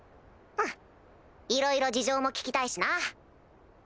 うんいろいろ事情も聞きたいしな。